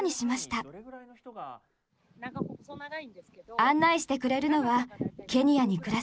案内してくれるのはケニアに暮らす早川千晶さん